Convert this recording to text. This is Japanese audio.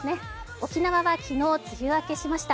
沖縄は昨日、梅雨明けしました。